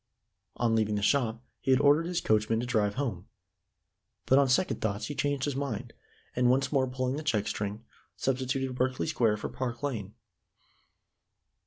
On leaving the shop, he had ordered his coachman to drive home; but on second thoughts he changed his mind, and, once more pulling the check string, substituted Berkeley Square for Park Lane.